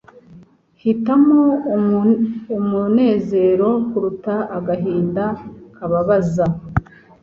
Hitamo umunezero kuruta agahinda kababaza